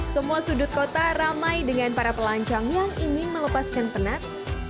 semua sudut kota ramai dengan para pelancong yang ingin melepaskan penat